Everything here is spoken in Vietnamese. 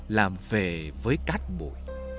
làm về với cát bụi